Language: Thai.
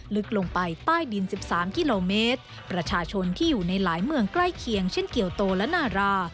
ลึกลงไปใต้ดิน๑๓กิโลเมตรประชาชนที่อยู่ในหลายเมืองใกล้เคียงเช่นเกี่ยวโตและนารา